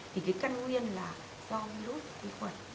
thì cái căn nguyên là do virus vi khuẩn